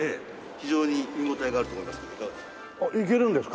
非常に見応えがあると思いますけどいかがですか？